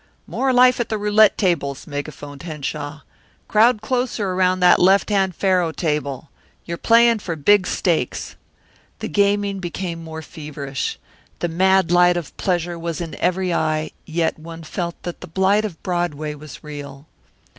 "More life at the roulette tables," megaphoned Henshaw. "Crowd closer around that left hand faro table. You're playing for big stakes." The gaming became more feverish. The mad light of pleasure was in every eye, yet one felt that the blight of Broadway was real.